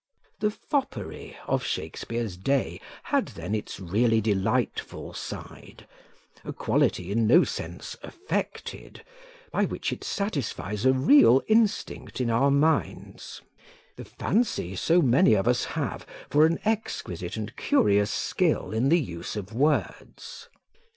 This "foppery" of Shakespeare's day had, then, its really delightful side, a quality in no sense "affected," by which it satisfies a real instinct in our minds the fancy so many of us have for an exquisite and curious skill in the use of words.